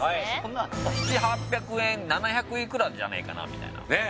７００８００円７００いくらじゃねえかなみたいなねえ